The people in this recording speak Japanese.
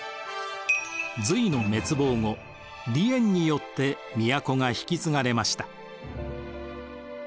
隋の滅亡後李淵によって都が引き継がれました。